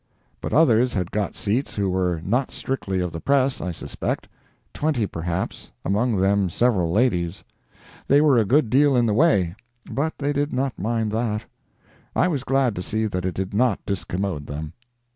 But others had got seats who were not strictly of the press, I suspect; twenty perhaps—among them several ladies. They were a good deal in the way, but they did not mind that. I was glad to see that it did not discommode them.